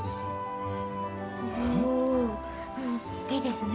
おいいですね！